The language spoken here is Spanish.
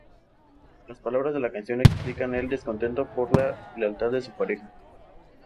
Las palabras de la canción explican el descontento por la lealtad de su pareja.